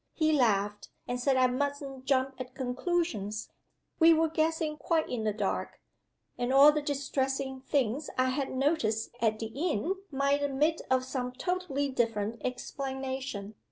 He laughed, and said I mustn't jump at conclusions We were guessing quite in the dark; and all the distressing things I had noticed at the inn might admit of some totally different explanation.